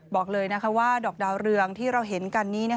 บอกเลยว่าดอกดาวเรืองที่เราเห็นกันนี้